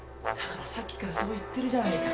「さっきから言ってるじゃないか」